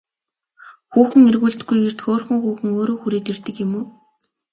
Хүүхэн эргүүлдэггүй эрд хөөрхөн хүүхэн өөрөө хүрээд ирдэг юм уу?